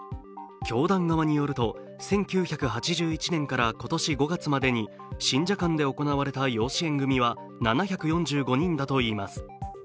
教団側によると１９８１年から今年５月までに信者間で行われた養子縁組は７４５人だといいます。